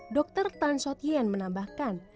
dokter tan sotien menambahkan